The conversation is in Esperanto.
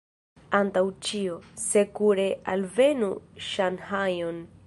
Antaŭ ĉio, sekure alvenu Ŝanhajon.